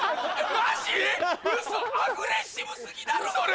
アグレッシブ過ぎだろそれ。